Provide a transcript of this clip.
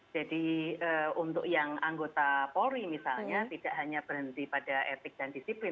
jadi untuk yang anggota polri misalnya tidak hanya berhenti pada etik dan disiplin